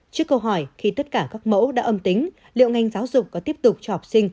trước câu hỏi khi tất cả các mẫu đã âm tính liệu ngành giáo dục có tiếp tục cho học sinh